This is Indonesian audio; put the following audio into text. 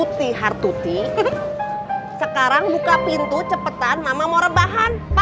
nijitin malah ngocek aja heran ah